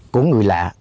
của người lạ